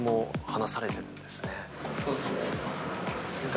そうですね。